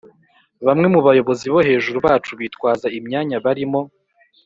Bamwe mu bayobozizi bo hejuru bacu bitwaza imyanya barimo